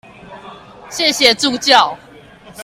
謝謝助教